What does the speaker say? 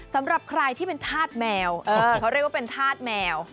สำหรับใครที่เป็นธาตุแมวเขาเรียกว่าเป็นธาตุแมว